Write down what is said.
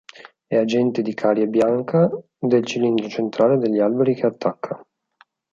È agente di carie bianca del cilindro centrale degli alberi che attacca.